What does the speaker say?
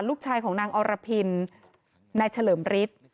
ลูกชายของนางอรพินนายเฉลิมฤทธิ์